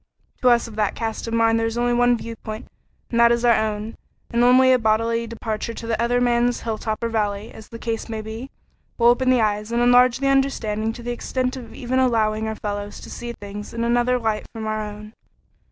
To us of that cast of mind there is only one viewpoint and that is our own, and only a bodily departure to the other man's hilltop or valley, as the case may be, will open the eyes and enlarge the understanding to the extent of even allowing our fellows to see things in another light from our own.